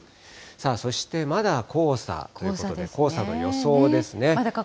そしてまだ黄砂ということで、黄砂の予想ですね。